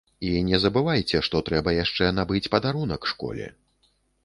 І не забывайце, што трэба яшчэ набыць падарунак школе.